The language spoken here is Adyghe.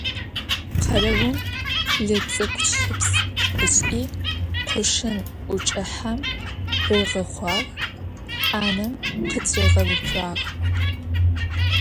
Khereum lıts'ık'uşıps ış'i, khoşşın Uç'ıhem riğexhuağ, anem khıtriğeutsuağ.